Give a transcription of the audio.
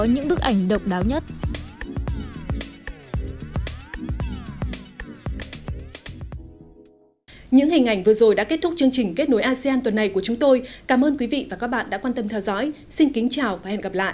những hình ảnh vừa rồi đã kết thúc chương trình kết nối asean tuần này của chúng tôi cảm ơn quý vị và các bạn đã quan tâm theo dõi xin kính chào và hẹn gặp lại